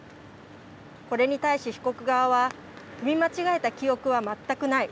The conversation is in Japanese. これに対し被告側は踏み間違えた記憶は全くない。